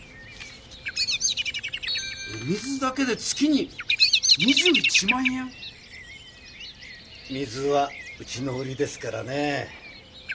お水だけで月に２１万円⁉水はうちの売りですからね。